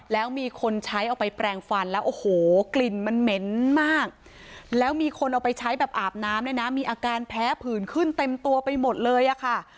แล้วมีคนใช้เอาไปแปลงฟันแล้วโอ้โหกลิ่นมันเหม็นมากแล้วมีคนเอาไปใช้แบบอาบน้ำด้วยนะมีอาการแพ้ผื่นขึ้นเต็มตัวไปหมดเลยอะค่ะ